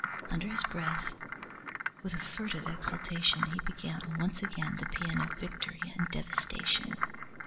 Under his breath, with a furtive exultation, he began once again the paean of victory and devastation.